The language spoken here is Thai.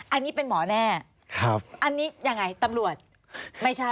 อันนี้เป็นหมอแน่ครับอันนี้ยังไงตำรวจไม่ใช่